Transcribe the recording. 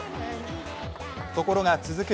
ところが続く